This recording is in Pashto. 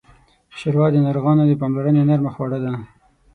ښوروا د ناروغانو د پاملرنې نرمه خواړه ده.